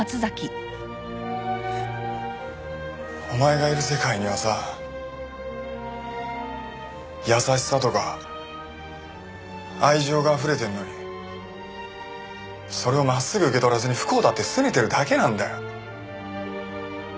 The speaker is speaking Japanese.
お前がいる世界にはさ優しさとか愛情があふれてるのにそれを真っすぐ受け取らずに不幸だってすねてるだけなんだよ。